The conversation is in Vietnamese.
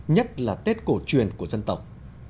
nhất là tết cổ truyền của dân tộc